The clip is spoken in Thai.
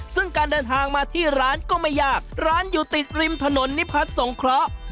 ซึ่งการเดินทางมาที่ร้านก็ไม่ยากร้านอยู่ติดริมถนนนิพัฒน์สงเคราะห์